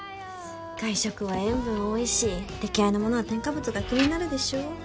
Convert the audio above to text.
外食は塩分多いし出来合いの物は添加物が気になるでしょ。